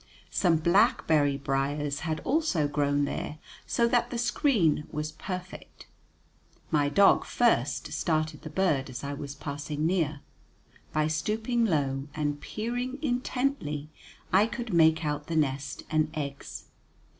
Some blackberry briers had also grown there, so that the screen was perfect. My dog first started the bird, as I was passing near. By stooping low and peering intently, I could make out the nest and eggs.